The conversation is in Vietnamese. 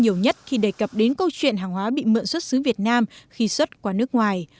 nhiều nhất khi đề cập đến câu chuyện hàng hóa bị mượn xuất xứ việt nam khi xuất qua nước ngoài